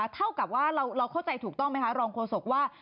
เท่ากับว่าเราเข้าใจถูกต้องไหมคะรองโฆษกว่า